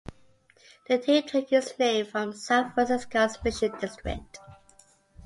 The team took its name from San Francisco's Mission District.